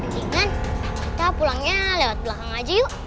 mendingan kita pulangnya lewat belakang aja yuk